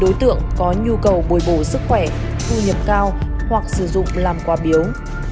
đối tượng có nhu cầu bồi bổ sức khỏe thu nhập cao hoặc sử dụng làm quà biếu